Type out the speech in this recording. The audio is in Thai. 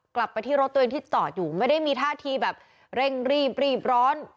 กลับไปที่รถตัวเองที่จอดอยู่ไม่ได้มีท่าทีแบบเร่งรีบรีบร้อน